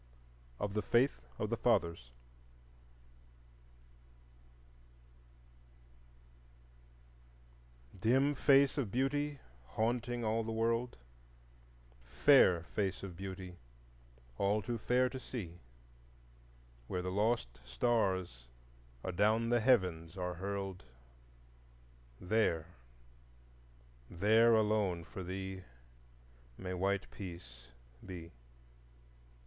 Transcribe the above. Of the Faith of the Fathers Dim face of Beauty haunting all the world, Fair face of Beauty all too fair to see, Where the lost stars adown the heavens are hurled,— There, there alone for thee May white peace be.